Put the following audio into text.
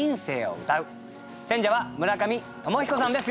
選者は村上鞆彦さんです。